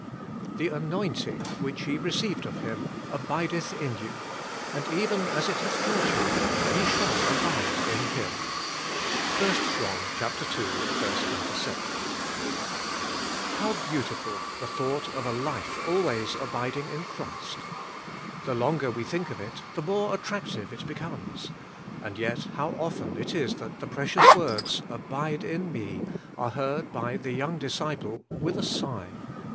'The auointing which ye received of Him, abideth in you ; and even as it hath taught you, ye shall abide in Him. '—1 John ii. 27. HOW beautiful the thought of a life always abiding in Christ! The longer we think of it, the more attractive it becomes. And yet how often it is that the precious words, 'Abide in me,' are heard by the young disciple with a sigh